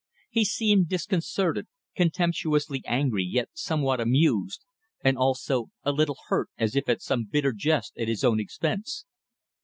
He seemed disconcerted, contemptuously angry yet somewhat amused; and also a little hurt as if at some bitter jest at his own expense.